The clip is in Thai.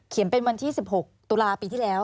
เป็นวันที่๑๖ตุลาปีที่แล้ว